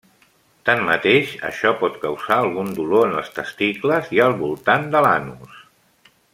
Tanmateix, això pot causar algun dolor en els testicles i al voltant de l'anus.